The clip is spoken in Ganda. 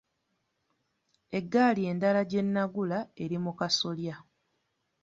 Eggaali endala gye nnagula eri mu kasolya.